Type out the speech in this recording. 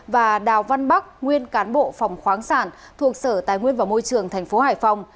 và đào văn bắc nguyên cán bộ phòng khoáng sản thuộc sở tài nguyên và môi trường tp hải phòng